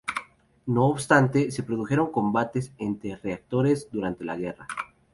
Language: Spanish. No obstante, no se produjeron combates entre reactores durante la guerra.